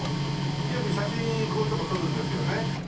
よく写真こういう所撮るんですよね。